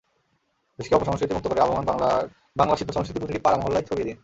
দেশকে অপসংস্কৃতি মুক্ত করে আবহমান বাংলার বাংলা শিল্প–সংস্কৃতি প্রতিটা পাড়া–মহল্লায় ছড়িয়ে দিন।